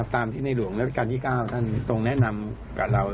ตามที่ในหลวงราชการที่๙ท่านทรงแนะนำกับเรา